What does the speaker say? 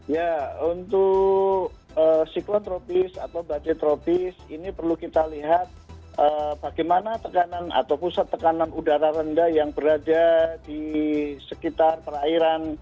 ya untuk siklon tropis atau badai tropis ini perlu kita lihat bagaimana tekanan atau pusat tekanan udara rendah yang berada di sekitar perairan